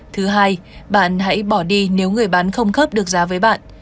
thứ hai bạn hãy bỏ đi nếu người bán không khớp được giá với bạn